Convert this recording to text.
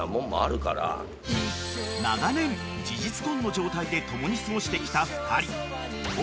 ［長年事実婚の状態で共に過ごしてきた２人］